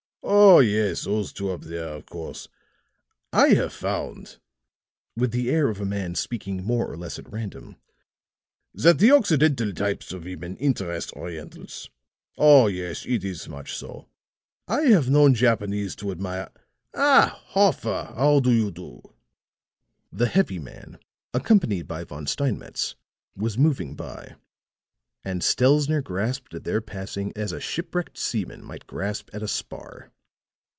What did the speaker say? "Oh, yes, those two up there, of course. I have found," with the air of a man speaking more or less at random, "that the Occidental types of women interest Orientals. Oh, yes; it is much so. I have known Japanese to admire Ah, Hoffer, how do you do?" The heavy man, accompanied by Von Steinmetz, was moving by, and Stelzner grasped at their passing as a shipwrecked seaman might grasp at a spar.